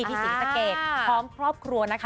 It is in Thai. ศรีสะเกดพร้อมครอบครัวนะคะ